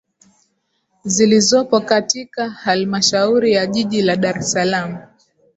zilizopo katika Halmashauri ya Jiji la Dar es Salaam